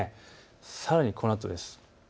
さらにこのあとです。